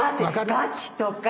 「ガチ」とか。